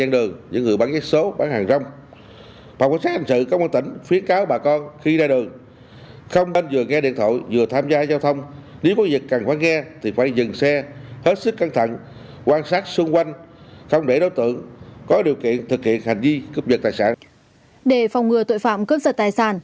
để phòng ngừa tội phạm cướp giật tài sản